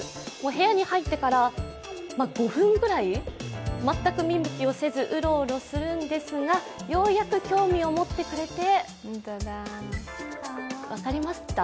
部屋に入ってから５分ぐらい全く見向きもせずウロウロするんですが、ようやく興味を持ってくれて分かりました？